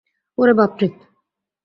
ওরে, বাপ রে।